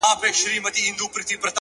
نو خود به اوس ورځي په وينو رنگه ككــرۍ؛